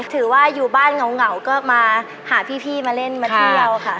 ถือว่าอยู่บ้านเหงาก็มาหาพี่มาเล่นมาเที่ยวค่ะ